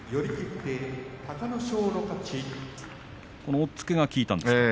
押っつけが効いたんですね。